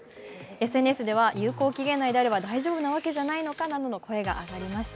ＳＮＳでは有効期限内であれば大丈夫なわけじゃないのかなどの声が上がりました。